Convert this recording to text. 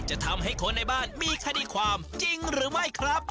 จะทำให้คนในบ้านมีคดีความจริงหรือไม่ครับ